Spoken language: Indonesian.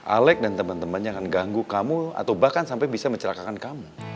alec dan temen temennya akan ganggu kamu atau bahkan sampai bisa mencelakakan kamu